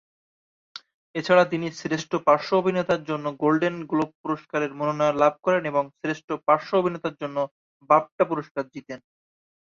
এছাড়া তিনি শ্রেষ্ঠ পার্শ্ব অভিনেতার জন্য গোল্ডেন গ্লোব পুরস্কারের মনোনয়ন লাভ করেন এবং শ্রেষ্ঠ পার্শ্ব অভিনেতার জন্য বাফটা পুরস্কার জিতেন।